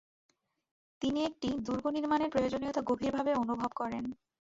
তিনি একটি দুর্গ নির্মানের প্রয়োজনীতা গভীরভাবে অনুভব করেন।